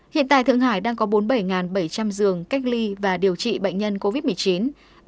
hiện tại thượng hải đang có bốn mươi bảy bảy trăm linh giường cách ly và điều trị bệnh nhân covid một mươi chín